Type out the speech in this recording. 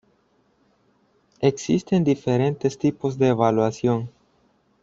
Existen diferentes tipos de evaluación.